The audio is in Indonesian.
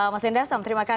mas hendar selamat malam